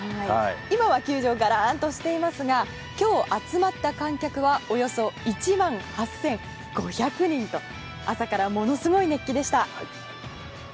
今は球場がらんとしていますが今日集まった観客はおよそ１万８５００人と朝からものすごい熱気でした。